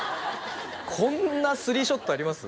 こんなスリーショットあります？